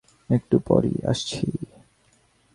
একটু পরই আসছি।